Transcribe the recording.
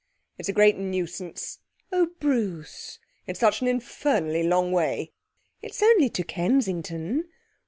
'It's a great nuisance.' 'Oh, Bruce!' 'It's such an infernally long way.' 'It's only to Kensington.'